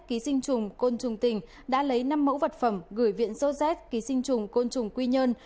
ký sinh trùng côn trùng tình đã lấy năm mẫu vật phẩm gửi viện sốt z ký sinh trùng côn trùng quy nhơn